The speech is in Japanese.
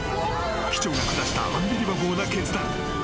機長が果たしたアンビリバボーな決断。